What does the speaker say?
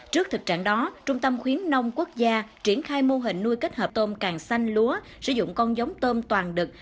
trước thực trạng đó trung tâm khuyến nông quốc gia triển khai mô hình nuôi kết hợp tôm càng xanh lúa sử dụng con giống tôm toàn đực